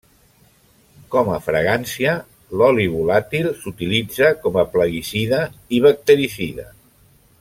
Com a fragància, l'oli volàtil s'utilitza com a plaguicida i bactericida.